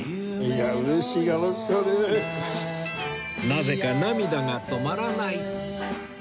なぜか涙が止まらない